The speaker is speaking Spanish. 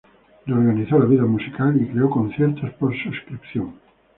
Reorganizó la vida musical y creó conciertos por suscripción.